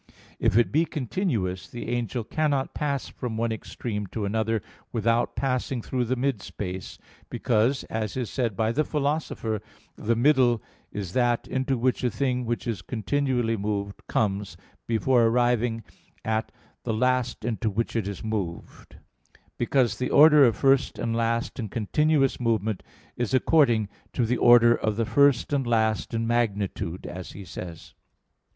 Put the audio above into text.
If it be continuous, the angel cannot pass from one extreme to another without passing through the mid space; because, as is said by the Philosopher (Phys. v, text 22; vi, text 77), "The middle is that into which a thing which is continually moved comes, before arriving at the last into which it is moved"; because the order of first and last in continuous movement, is according to the order of the first and last in magnitude, as he says (Phys.